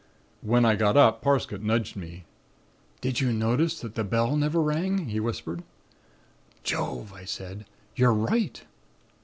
"When I got up Parsket nudged me. "'Did you notice that the bell never rang?' he whispered. "'Jove!' I said, 'you're right.'